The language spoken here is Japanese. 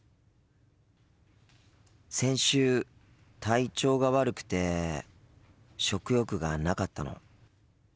先週体調が悪くて食欲がなかったの。